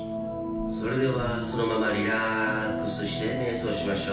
それではそのままリラックスして瞑想しましょう。